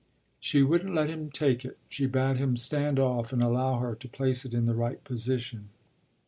She wouldn't let him take it; she bade him stand off and allow her to place it in the right position.